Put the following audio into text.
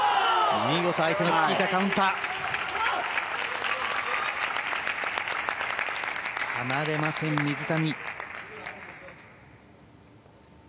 見事、相手のチキータカウンター。離れません、水谷。